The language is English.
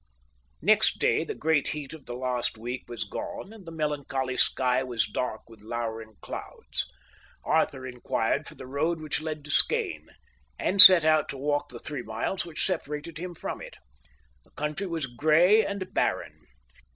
Next day the great heat of the last week was gone, and the melancholy sky was dark with lowering clouds. Arthur inquired for the road which led to Skene, and set out to walk the three miles which separated him from it. The country was grey and barren.